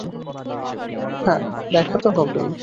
হ্যা, দেখা তো হবেই।